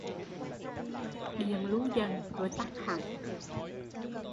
Điện lu dần, rồi tắt hẳn